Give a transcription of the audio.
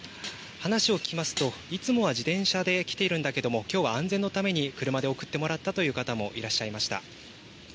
話を聞きますと、いつもは自転車で来ているんだけれども、きょうは安全のために車で送ってもらったという方もいらっしゃいました。